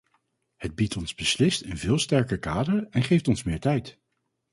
Het biedt ons beslist een veel sterker kader en geeft ons meer tijd.